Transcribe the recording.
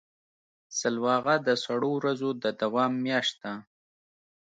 سلواغه د سړو ورځو د دوام میاشت ده.